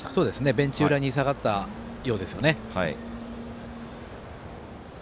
ベンチ裏に下がったようですね。